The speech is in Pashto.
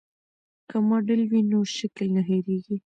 که ماډل وي نو شکل نه هېریږي.